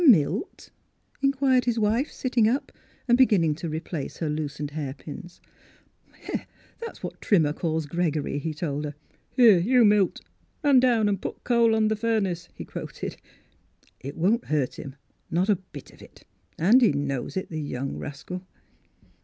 "Milt?" inquired his wife, sitting up, and beginning to replace her loosened hairpins. " That's what Trimmer calls Gregory," he told her. "' Here you, Milt, run down and put coal on the furnace,' " he quoted. " It won't hurt him, not a bit of it. And he knows it, the young rascal